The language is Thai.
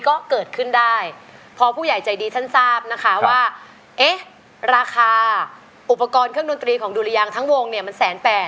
ก็เกิดขึ้นได้พอผู้ใหญ่ใจดีท่านทราบนะคะว่าเอ๊ะราคาอุปกรณ์เครื่องดนตรีของดุรยางทั้งวงเนี่ยมัน๑๘๐๐